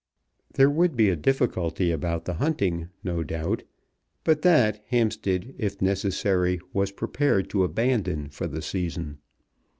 There would be a difficulty about the hunting, no doubt, but that Hampstead if necessary was prepared to abandon for the season.